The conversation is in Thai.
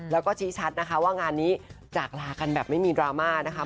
แล้วก็ชี้ชัดนะคะว่างานนี้จากลากันแบบไม่มีดราม่านะคะ